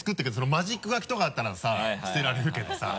マジック書きとかだったらさ捨てられるけどさ。